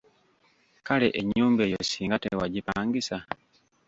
Kale ennyumba eyo singa tewagipangisa.